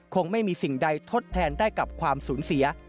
คงไม่มีสิ่งใดทดแทนได้กับความสูญเสีย